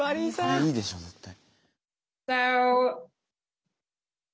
これいいでしょ絶対。